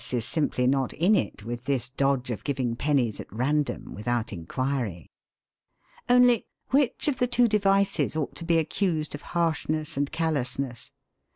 is simply not in it with this dodge of giving pennies at random, without inquiry. Only which of the two devices ought to be accused of harshness and callousness?